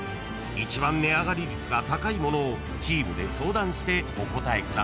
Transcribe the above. ［一番値上がり率が高いものをチームで相談してお答えください］